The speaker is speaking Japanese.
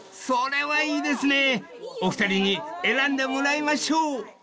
［それはいいですねお二人に選んでもらいましょう］